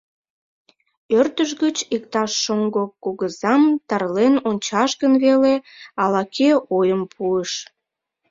— Ӧрдыж гыч иктаж шоҥго кугызам тарлен ончаш гын веле, — ала-кӧ ойым пуыш.